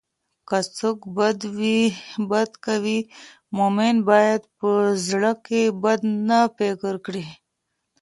که څوک بد کوي، مؤمن باید په زړه کې بد نه فکر کړي.